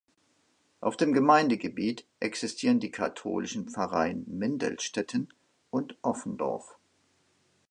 Auf dem Gemeindegebiet existieren die katholischen Pfarreien Mindelstetten und Offendorf.